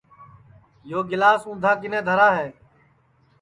یو گَِلاس اُندھا کِنے دھرا ہے